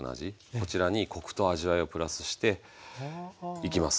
こちらにコクと味わいをプラスしていきますね。